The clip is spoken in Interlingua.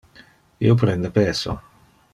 Io prende peso.